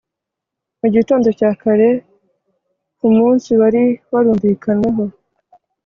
Mu gitondo cya kare ku munsi wari warumvikanweho